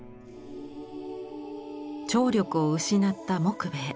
聴力を失った木米。